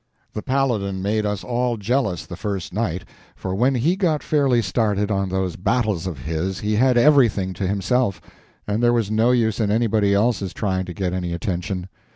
The Paladin made us all jealous the first night, for when he got fairly started on those battles of his he had everything to himself, and there was no use in anybody else's trying to get any attention.